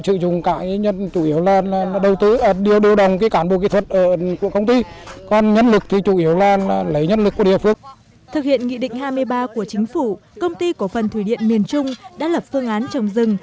thực hiện nghị định hai mươi ba của chính phủ công ty cổ phần thủy điện miền trung đã lập phương án trồng rừng